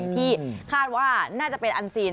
ที่คาดว่าน่าจะเป็นอันซีน